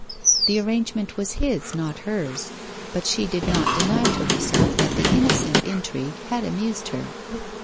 The arrangement was his, not hers, but she did not deny to herself that the innocent intrigue had amused her.